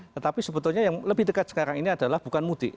tetapi sebetulnya yang lebih dekat sekarang ini adalah bukan mudik